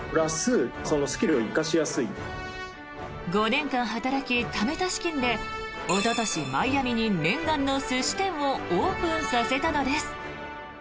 ５年間働き、ためた資金でおととし、マイアミに念願の寿司店をオープンさせたのです。